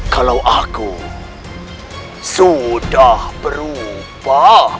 kalau aku sudah berubah